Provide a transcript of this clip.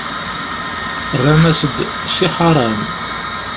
Rran-as-d: Si Ḥaṛan.